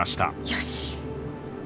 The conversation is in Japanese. よし。